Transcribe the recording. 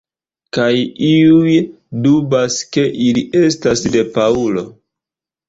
Kaj iuj dubas ke ili estas de Paŭlo.